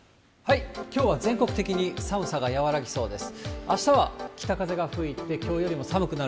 きょうは全国的に寒さが和らぎそうです。